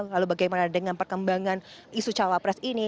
lalu bagaimana dengan perkembangan isu cawapres ini